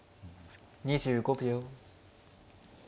２５秒。